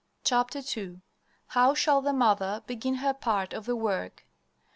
II HOW SHALL THE MOTHER BEGIN HER PART OF THE WORK?